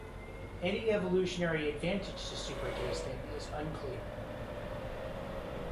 Any evolutionary advantage to supertasting is unclear.